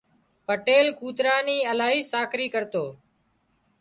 پٽيل ڪوترا ني الاهي ساڪري ڪرتو